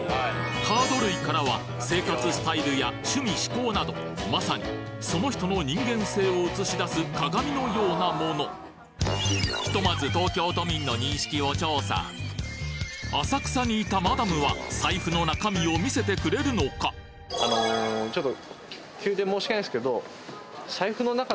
カード類からは生活スタイルや趣味嗜好などまさにその人の人間性を映し出す鏡のようなものひとまず財布の中身をあのちょっと。